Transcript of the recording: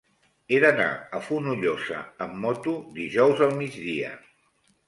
He d'anar a Fonollosa amb moto dijous al migdia.